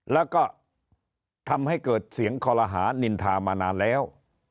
แล้วก็ทำให้เกิดเสียงคอลหานินทามานานแล้ว